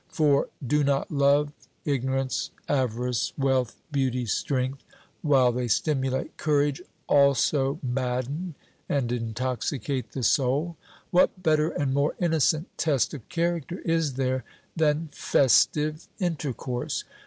For do not love, ignorance, avarice, wealth, beauty, strength, while they stimulate courage, also madden and intoxicate the soul? What better and more innocent test of character is there than festive intercourse?